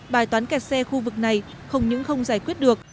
bài toán kẹt xe khu vực này không những không giải quyết được